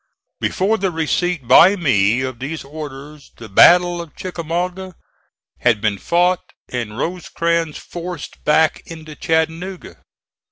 Before the receipt by me of these orders the battle of Chickamauga had been fought and Rosecrans forced back into Chattanooga.